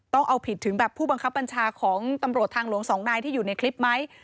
ต้องเอาผิดถึงแบบผู้บังคับบัญชาของตำรวจทางหลวงสองนายที่อยู่ในคลิปไหม